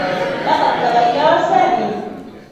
لقد تغيّر سامي.